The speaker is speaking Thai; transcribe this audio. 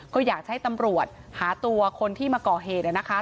ก็อยากจะให้ตำรวจหาตัวคนที่มาก่อเหตุนะคะ